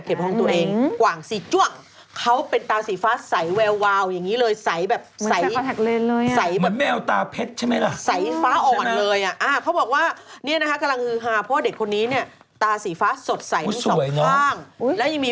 กว่างสี่จ้วงเขาเป็นตาสีฟ้าใสแววอย่างนี้เลย